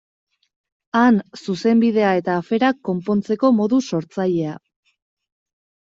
Han, Zuzenbidea eta aferak konpontzeko modu sortzailea.